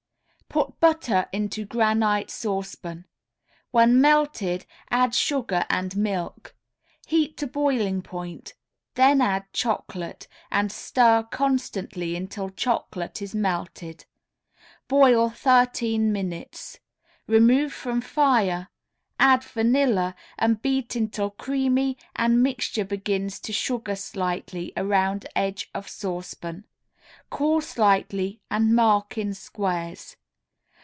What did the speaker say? Put butter into granite saucepan; when melted add sugar and milk. Heat to boiling point; then add chocolate, and stir constantly until chocolate is melted. Boil thirteen minutes, remove from fire, add vanilla, and beat until creamy and mixture begins to sugar slightly around edge of saucepan. Pour at once into a buttered pan, cool slightly and mark in squares.